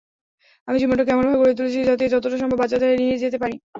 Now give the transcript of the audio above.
আমি জীবনটাকে এমনভাবে গড়ে তুলেছি যাতে যতটা সম্ভব বাচ্চাদের এড়িয়ে যেতে পারি।